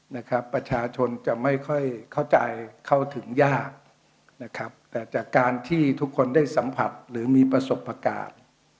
นะครับประชาชนจะไม่ค่อยเข้าใจเข้าถึงยากนะครับแต่จากการที่ทุกคนได้สัมผัสหรือมีประสบการณ์